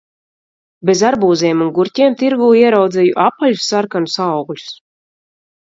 Bez arbūziem un gurķiem tirgū ieraudzīju apaļus sarkanus augļus.